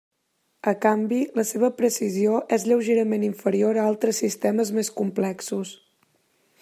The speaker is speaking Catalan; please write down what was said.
A canvi, la seva precisió és lleugerament inferior a altres sistemes més complexos.